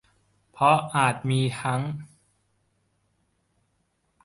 เพราะอาจมีทั้ง